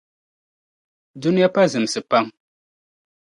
Duniya pa zimsi pam.